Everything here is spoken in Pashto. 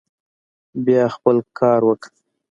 بيا خپل کار وکه.